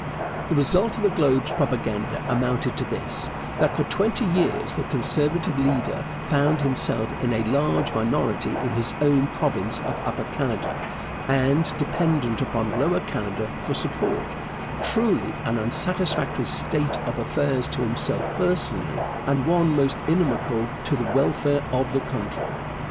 The result of the Globe's propaganda amounted to this, that for twenty years the Conservative leader found himself in a large minority in his own province of Upper Canada, and dependent upon Lower Canada for support truly an unsatisfactory state of affairs to himself personally, and one most inimical to the welfare of the country.